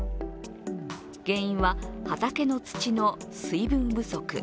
原因は、畑の土の水分不足。